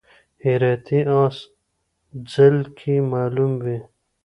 هراتی اس ځل کې معلوم وي.